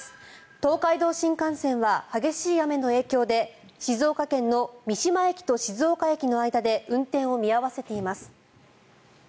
東海道新幹線は激しい雨の影響で静岡県の三島駅と静岡駅の間で運転を見合わせています。